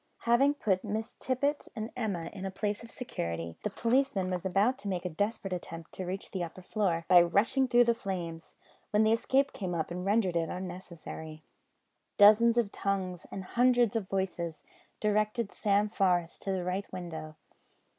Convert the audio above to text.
Having put Miss Tippet and Emma in a place of security, the policeman was about to make a desperate attempt to reach the upper floor by rushing through the flames, when the escape came up and rendered it unnecessary. Dozens of tongues and hundreds of voices directed Sam Forest to the right window.